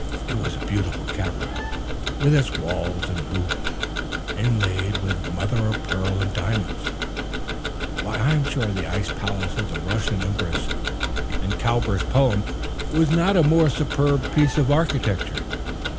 It was a beautiful cavern, with its walls and roof inlaid with mother of pearl and diamonds. I am sure the ice palace of the Russian Empress, in Cowper's poem, was not a more superb piece of architecture.